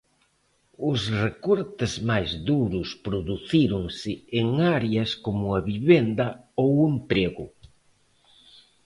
Os recortes máis duros producíronse en áreas como a vivenda ou o emprego.